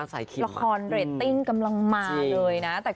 รักษาระคอนเร้นติ้งกำลังมาเลยนะจริง